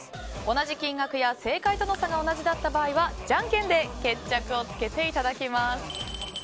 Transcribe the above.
同じ金額や正解との差が同じだった場合はじゃんけんで決着をつけていただきます。